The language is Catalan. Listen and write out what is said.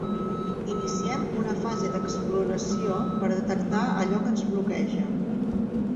Iniciem una fase d'exploració per detectar allò que ens bloqueja.